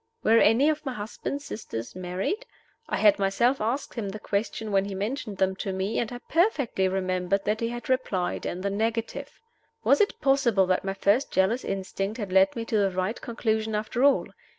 Were any of my husband's sisters married? I had myself asked him the question when he mentioned them to me, and I perfectly remembered that he had replied in the negative. Was it possible that my first jealous instinct had led me to the right conclusion after all?